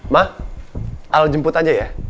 mah al jemput aja ya